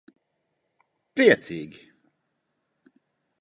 Priecīgi.